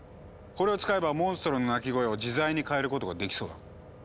これを使えばモンストロの鳴き声を自在に変えることができそうだ。